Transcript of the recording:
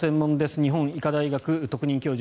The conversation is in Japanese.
日本医科大学特任教授